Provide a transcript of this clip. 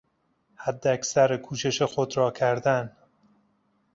حداکثر کوشش خود را کردن